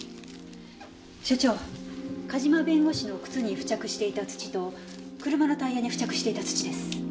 所長梶間弁護士の靴に付着していた土と車のタイヤに付着していた土です。